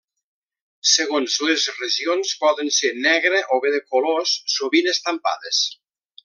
Segons les regions poden ser negre o bé de colors, sovint estampades.